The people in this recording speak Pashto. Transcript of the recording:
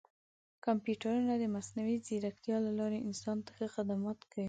کمپیوټرونه د مصنوعي ځیرکتیا له لارې انسان ته ښه خدمت کوي.